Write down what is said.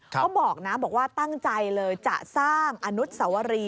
เขาบอกนะบอกว่าตั้งใจเลยจะสร้างอนุสวรี